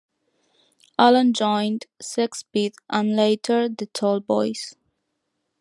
Alan joined Sexbeat and later the Tall Boys.